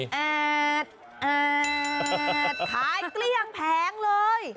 แอ๊ดแอ๊ดขายเกลี้ยงแพงเลย